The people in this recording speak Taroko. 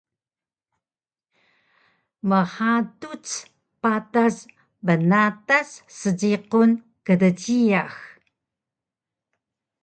Mhaduc patas bnatas sjiqun kdjiyax